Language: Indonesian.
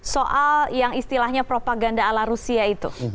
soal yang istilahnya propaganda ala rusia itu